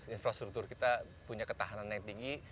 infrastruktur kita punya ketahanan yang tinggi